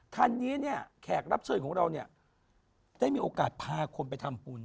คันนี้เนี่ยแขกรับเชิญของเราเนี่ยได้มีโอกาสพาคนไปทำบุญ